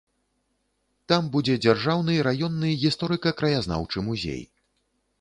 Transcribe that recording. Там будзе дзяржаўны раённы гісторыка-краязнаўчы музей.